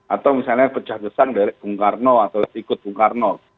atau misalnya pecah kesang deret bungkarno atau ikut bungkarno